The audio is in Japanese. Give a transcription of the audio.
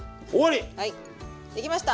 はいできました。